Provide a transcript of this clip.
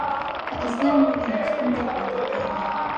که اصلاح نه وي نو ستونزه پیدا کېږي.